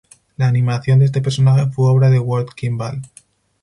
La animación de este personaje fue obra de Ward Kimball.